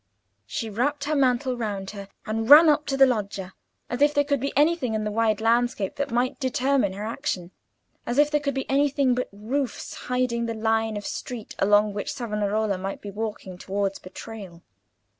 She wrapped her mantle round her, and ran up to the loggia, as if there could be anything in the wide landscape that might determine her action; as if there could be anything but roofs hiding the line of street along which Savonarola might be walking towards betrayal.